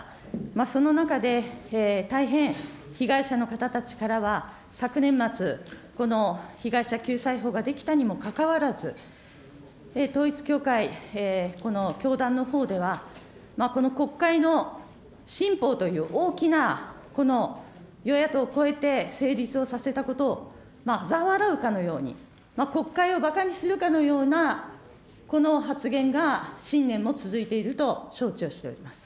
その中で、大変被害者の方たちからは昨年末、この被害者救済法が出来たにもかかわらず、統一教会、この教団のほうでは、この国会の新法という大きなこの与野党超えて成立をさせたことをあざ笑うかのように、国会をばかにするかのようなこの発言が新年も続いていると承知をしております。